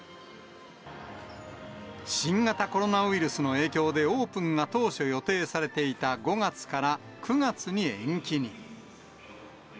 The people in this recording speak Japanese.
新型コロナウイルスの影響でオープンが当初予定されていた５月から９月に延期に。